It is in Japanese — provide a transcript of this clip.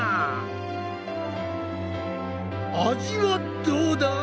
味はどうだ？